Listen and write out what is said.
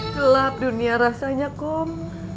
gelap dunia rasanya kom